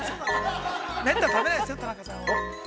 ◆めったに食べないですよ、田中さんは。